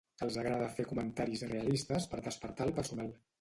Els agrada fer comentaris realistes per despertar el personal.